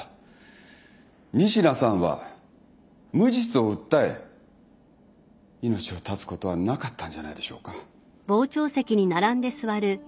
仁科さんは無実を訴え命を絶つことはなかったんじゃないでしょうか。